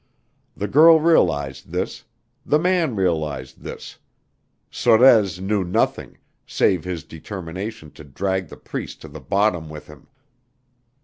The girl realized this; the man realized this. Sorez knew nothing save his determination to drag the Priest to the bottom with him.